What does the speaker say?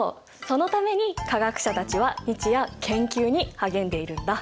そのために科学者たちは日夜研究に励んでいるんだ。